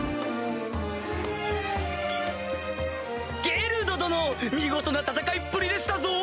ゲルド殿見事な戦いっぷりでしたぞ！